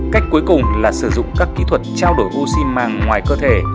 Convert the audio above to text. cách cuối cùng là sử dụng các kỹ thuật trao đổi oxy màng ngoài cơ thể